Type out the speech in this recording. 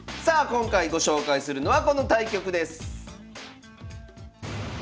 今回ご紹介するのはこの対局です。